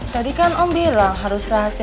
tadi kan om bilang harus rahasia